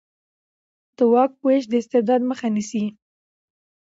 د واک وېش د استبداد مخه نیسي